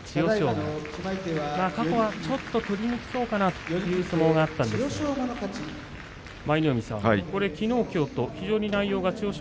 馬過去はちょっと取りにくそうかなという相撲があったんですがきのうきょうと非常に内容が千代翔